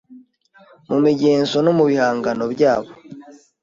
mu migenzo no mu bihangano byabo.